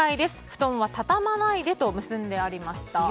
布団は畳まないでと結んでありました。